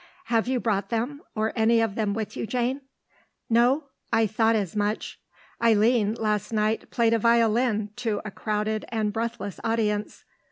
Have you brought them, or any of them, with you, Jane? No? I thought as much. Eileen last night played a violin to a crowded and breathless audience.